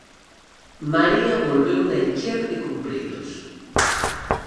María volveuna encher de cumpridos.